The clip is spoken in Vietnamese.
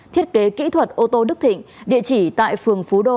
thiết kế kỹ thuật ô tô đức thịnh địa chỉ tại phường phú đô